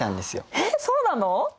えっそうなの？